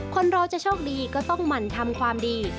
คนเราจะโชคดีก็ต้องหมั่นทำความดี